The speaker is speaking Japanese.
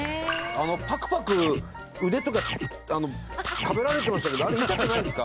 あのパクパク腕とか食べられてましたけどあれ痛くないんですか？